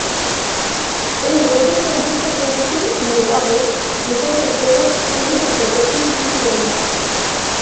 Et il redescendit sans ajouter une parole laissant Espérance plongé dans sa surprise douloureuse.